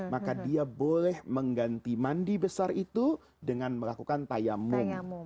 maka dia boleh mengganti mandi besar itu dengan melakukan tayamum